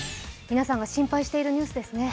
皆さんが心配しているニュースですね。